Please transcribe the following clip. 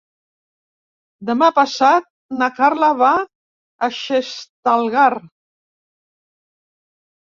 Demà passat na Carla va a Xestalgar.